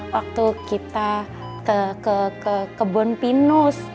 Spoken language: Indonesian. waktu kita ke kebon pinus